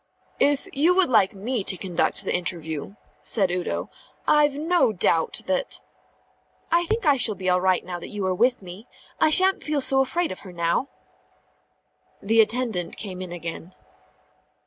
"If you would like me to conduct the interview," said Udo, "I've no doubt that " "I think I shall be all right now that you are with me. I shan't feel so afraid of her now." The attendant came in again.